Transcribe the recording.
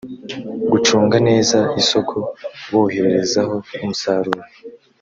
gucunga neza isoko boherezaho umusaruro